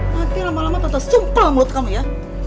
nanti lama lama tante sumpel mulut kamu ya